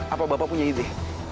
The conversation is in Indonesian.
apa bapak punya ini